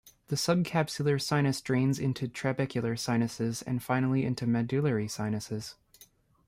The subcapsular sinus drains into trabecular sinuses and finally into medullary sinuses.